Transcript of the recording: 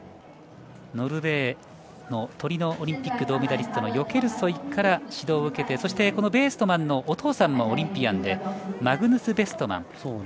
ノルウェーのトリノオリンピック銅メダリストのヨケルソイから指導を受けてそして、ベーストマンのお父さんもオリンピアンでマグヌス・ベーストマン。